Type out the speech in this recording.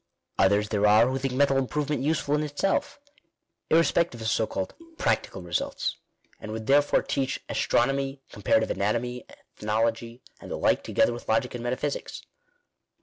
Others there are who think mental improvement useful in itself, irrespective of so called practical results, and would therefore teach astronomy, com parative anatomy, ethnology, and the like, together with logic and metaphysics.